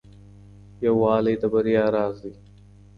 يووالی د بريا راز دی.